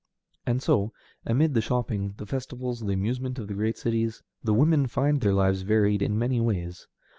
And so, amid the shopping, the festivals, the amusements of the great cities, the women find their lives varied in many ways.